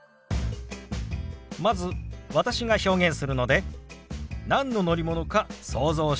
まず私が表現するので何の乗り物か想像してください。